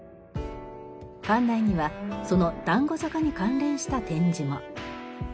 館内にはその団子坂に関連した展示も。